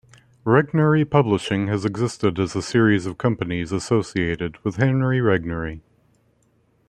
Regnery Publishing has existed as a series of companies associated with Henry Regnery.